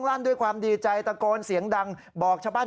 ภาคอีอีล